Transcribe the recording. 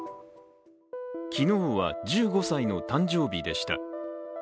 昨日は１５歳の誕生日でした。